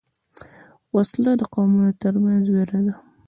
وسله د قومونو تر منځ وېره ده